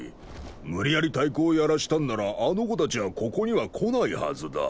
無理やり太鼓をやらしたんならあの子たちはここには来ないはずだ。